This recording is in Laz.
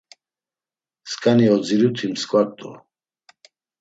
Skani odziruti mskva rt̆u.